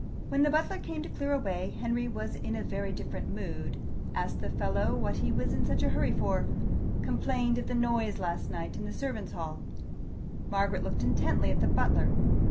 When the butler came to clear away, Henry was in a very different mood asked the fellow what he was in such a hurry for, complained of the noise last night in the servants' hall. Margaret looked intently at the butler.